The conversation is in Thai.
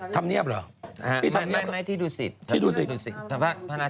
ที่นู่นเลยครับ